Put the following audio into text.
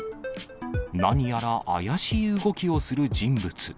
何やら怪しい動きをする人物。